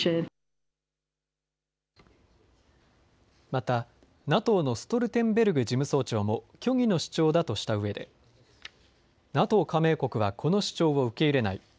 また、ＮＡＴＯのストルテンベルグ事務総長も虚偽の主張だとしたうえで、ＮＡＴＯ加盟国はこの主張を受け入れない。